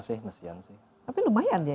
sih mesin tapi lumayan ya